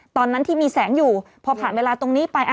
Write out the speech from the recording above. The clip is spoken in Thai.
ตอนนั้นที่มีแสงอยู่พอผ่านเวลาตรงนี้ไป